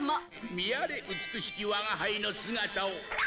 見やれ、美しき我が輩の姿を。